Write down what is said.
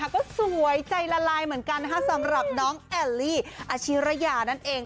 ก็สวยใจละลายเหมือนกันนะคะสำหรับน้องแอลลี่อาชิระยานั่นเอง